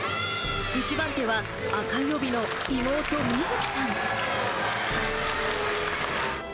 １番手は、赤い帯の妹、美月さん。